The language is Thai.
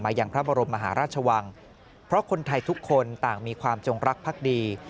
อย่างพระบรมมหาราชวังเพราะคนไทยทุกคนต่างมีความจงรักภักดี